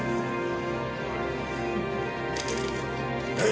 はい！